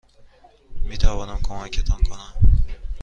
میتوانم کمکتان کنم؟